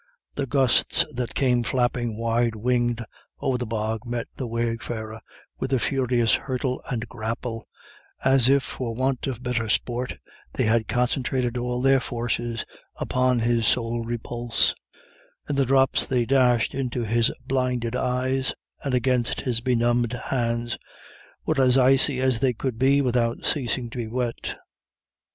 The gusts that came flapping wide winged over the bog met the wayfarer with a furious hurtle and grapple, as if for want of better sport they had concentrated all their forces upon his sole repulse; and the drops they dashed into his blinded eyes and against his benumbed hands were as icy as they could be without ceasing to be wet.